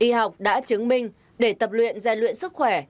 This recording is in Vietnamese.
y học đã chứng minh để tập luyện gian luyện sức khỏe